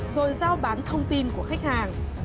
rồi giao bán thông tin của khách hàng